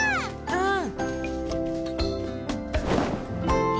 うん！